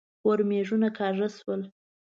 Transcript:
ورمېږونه کاږه شول.